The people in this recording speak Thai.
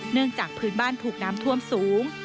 จากพื้นบ้านถูกน้ำท่วมสูง